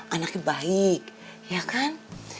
anaknya baik ya kan